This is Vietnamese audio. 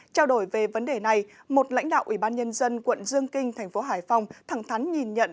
trao đổi về vấn đề này một lãnh đạo ủy ban nhân dân quận dương kinh tp hcm thẳng thắn nhìn nhận